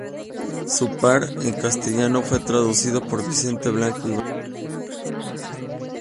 Su par en castellano fue traducido por Vicente Blasco Ibáñez.